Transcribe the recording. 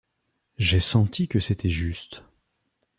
J’ai senti que c’était juste.